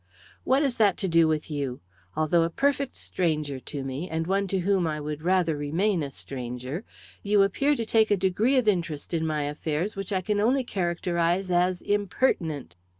"What has that to do with you? Although a perfect stranger to me and one to whom I would rather remain a stranger you appear to take a degree of interest in my affairs which I can only characterize as impertinent."